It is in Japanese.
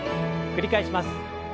繰り返します。